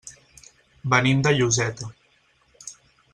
Venim de Lloseta.